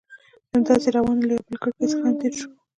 همداسې روان وو، له یوې بلې کړکۍ څخه هم تېر شوو.